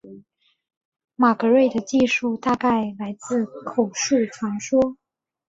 马格瑞的记述大概来自口述传说。